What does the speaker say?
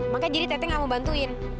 makanya jadi tete gak mau bantuin